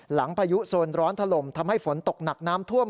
พายุโซนร้อนถล่มทำให้ฝนตกหนักน้ำท่วม